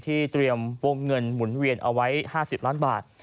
เตรียมวงเงินหมุนเวียนเอาไว้๕๐ล้านบาท